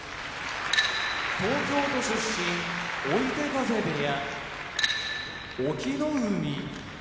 東京都出身追手風部屋隠岐の海